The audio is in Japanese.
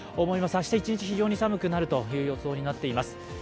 明日一日、非常に寒くなる予想になっています。